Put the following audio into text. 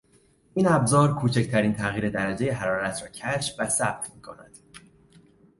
این ابزار کوچکترین تغییر درجهی حرارت را کشف و ثبت میکند.